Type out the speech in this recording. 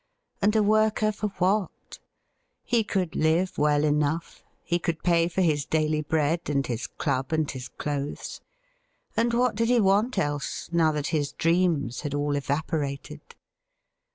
And a Worker for what ? He could live well enough, he could pay for his daily bread, and his club and his clothes — and what did he want else, now that his dreams had all evapo rated